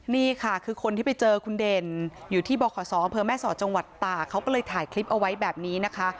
นี่ค่ะคือคนที่ไปเจอคุณเด่นอยู่ที่บขศอำเภอแม่สอดจังหวัดตากเขาก็เลยถ่ายคลิปเอาไว้แบบนี้นะคะ